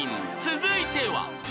続いては］